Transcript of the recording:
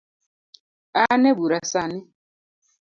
An ebura sani